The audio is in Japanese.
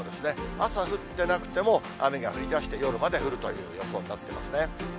朝降ってなくても、雨が降りだして、夜まで降るという予想になってますね。